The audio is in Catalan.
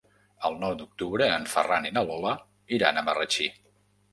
El nou d'octubre en Ferran i na Lola iran a Marratxí.